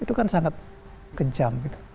itu kan sangat kejam